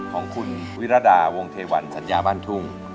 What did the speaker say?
ของคุณวิรดาวงเทวันสัญญาบ้านทุ่ง